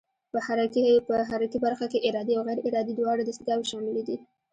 په حرکي برخه کې ارادي او غیر ارادي دواړه دستګاوې شاملې دي.